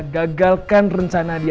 gagalkan rencana dia